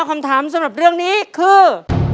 คำถามสำหรับเรื่องนี้คือ